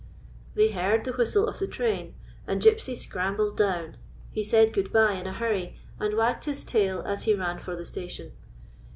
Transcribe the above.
They heard the whistle of the train, and Gypsy scrambled down. He said good bye in a hurry, and wagged his tail as he ran for the station.